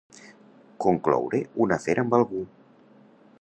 Concloure un afer amb algú.